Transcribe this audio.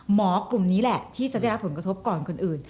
กลุ่มนี้แหละที่จะได้รับผลกระทบก่อนคนอื่น